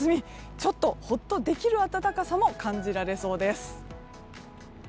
ちょっと、ほっとできる暖かさも感じられそうです。